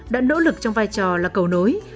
đã nỗ lực trong vai trò là cầu nối